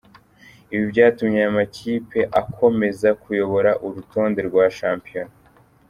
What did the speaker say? Ibi byatumye aya makipe akomeza kuyobora urutonde rwa Shampiyona.